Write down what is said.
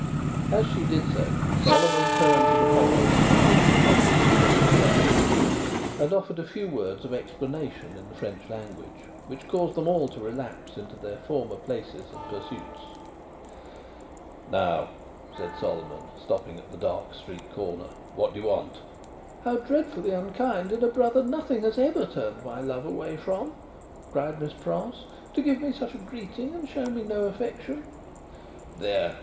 As she did so, Solomon turned to the followers of the Good Republican Brutus of Antiquity, and offered a few words of explanation in the French language, which caused them all to relapse into their former places and pursuits. "Now," said Solomon, stopping at the dark street corner, "what do you want?" "How dreadfully unkind in a brother nothing has ever turned my love away from!" cried Miss Pross, "to give me such a greeting, and show me no affection." "There.